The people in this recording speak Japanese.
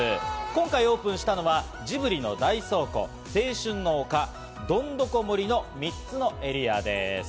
今回オープンしたのはジブリの大倉庫、青春の丘、どんどこ森の３つのエリアです。